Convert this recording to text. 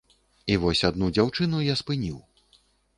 І вось адну дзяўчыну я спыніў.